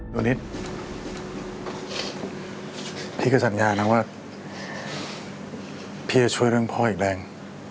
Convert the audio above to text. ตัวนิดพี่ก็สัญญานะว่าพี่จะช่วยเรื่องพ่ออีกแรง